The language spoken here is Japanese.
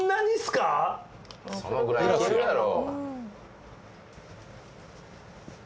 そのぐらいいけるやろ。